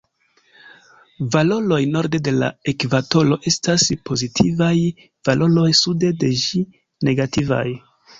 Valoroj norde de la ekvatoro estas pozitivaj, valoroj sude de ĝi negativaj.